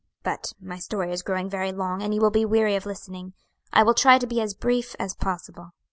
But my story is growing very long, and you will be weary of listening. I will try to be as brief as possible.